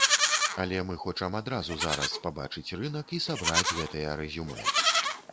Але мы хочам адразу зараз пабачыць рынак і сабраць гэтыя рэзюмэ.